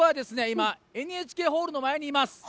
ＮＨＫホールの前にいます。